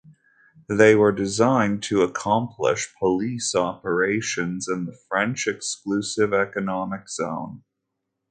They were designed to accomplish police operations in the French Exclusive Economic Zone.